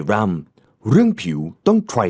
แบบนี้ก็ได้